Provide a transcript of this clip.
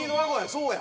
そうや。